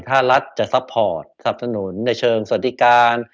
ถ้ารัฐจะซัพพอร์ตสับสนุนในเชิงสวัสดิการ